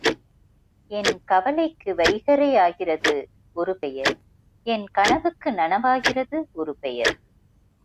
என் கவலைக்கு வைகறையாகிறது ஒருபெயர் என் கனவுக்கு நனவாகிறது ஒருபெயர்.